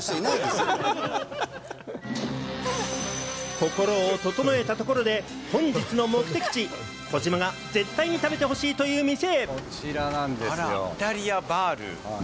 心を整えたところで、本日の目的地、児嶋が絶対に食べてほしいという店。